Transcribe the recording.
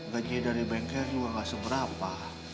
bagi dari bengkel juga nggak seberapa